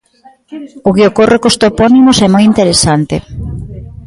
O que ocorre cos topónimos é moi interesante.